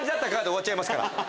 で終わっちゃいますから。